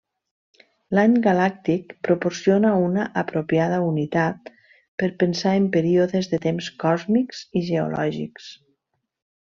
L'any galàctic proporciona una apropiada unitat per pensar en períodes de temps còsmics i geològics.